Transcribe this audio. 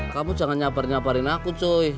kamu jangan nyabarin nyabarin aku cuy